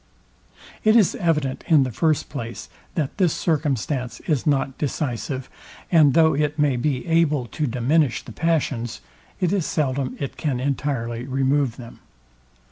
It is evident in the first place, that this circumstance is not decisive; and though it may be able to diminish the passions, it is seldom it can entirely remove them.